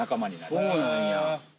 そうなんや。